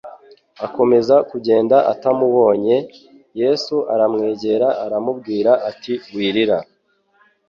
akomeza kugenda atamubonye, Yesu aramwegera aramubwira ati :« Wirira !»